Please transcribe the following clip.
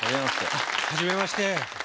あっはじめまして。